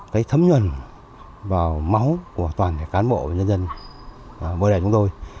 cái thấm nhuần vào máu của toàn cả cán bộ và nhân dân vô đại chúng tôi